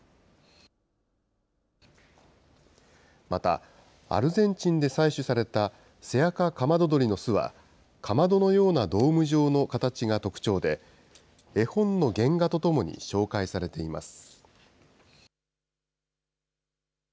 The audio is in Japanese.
またアルゼンチンで採取されたセアカカマドドリの巣はかまどなようなドーム状の形が特徴で、絵本の原画とともに紹介されています。